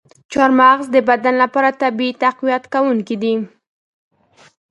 چارمغز د بدن لپاره طبیعي تقویت کوونکی دی.